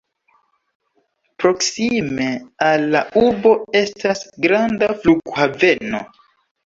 Proksime al la urbo estas granda flughaveno.